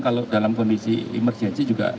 kalau dalam kondisi emergensi juga